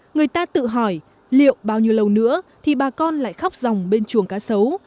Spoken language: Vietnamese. người ta tự hỏi liệu bao nhiêu lâu nữa thì bà con lại khóc dòng bên chuồng cá sấu